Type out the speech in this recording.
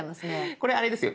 これあれですよ